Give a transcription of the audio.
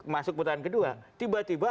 masuk putaran kedua tiba tiba